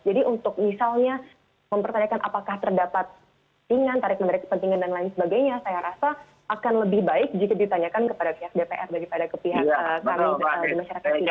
jadi untuk misalnya mempertanyakan apakah terdapat tingan tarik menarik kepentingan dan lain sebagainya